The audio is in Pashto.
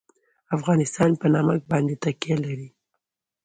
افغانستان په نمک باندې تکیه لري.